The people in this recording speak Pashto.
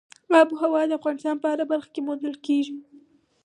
آب وهوا د افغانستان په هره برخه کې موندل کېږي.